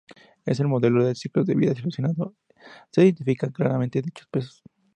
En el modelo de ciclo de vida seleccionado, se identifican claramente dichos pasos.